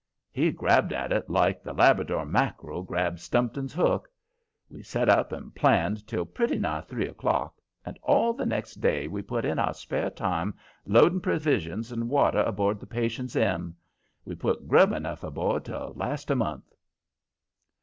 He grabbed at it like the "Labrador mack'rel" grabbed Stumpton's hook. We set up and planned until pretty nigh three o'clock, and all the next day we put in our spare time loading provisions and water aboard the Patience M. We put grub enough aboard to last a month.